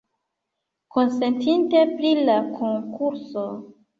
Konsentite pri la konkurso!